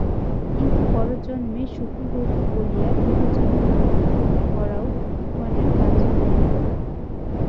কিন্তু পরজন্মে সুখী হইব বলিয়া ইহজন্মে দুঃখভোগ করাও বুদ্ধিমানের কাজ নহে।